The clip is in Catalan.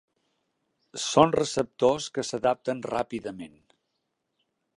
Són receptors que s'adapten ràpidament.